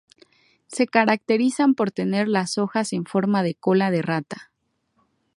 Se caracterizan por tener las hojas en forma de cola de rata.